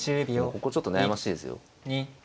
ここちょっと悩ましいですよ。